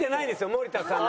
森田さんを。